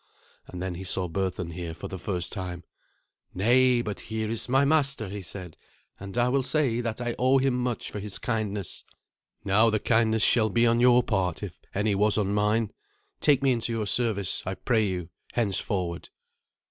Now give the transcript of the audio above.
And then he saw Berthun here for the first time. "Nay, but here is my master," he added. "And I will say that I owe him much for his kindness." "Now the kindness shall be on your part, if any was on mine. Take me into your service, I pray you, henceforward."